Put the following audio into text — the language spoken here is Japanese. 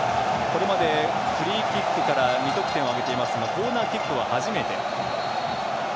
これまでフリーキックから２得点を挙げていますがコーナーキックは初めて。